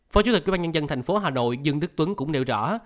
phó chủ tịch quyên bán nhân dân thành phố hà nội dương đức tuấn cũng nêu rõ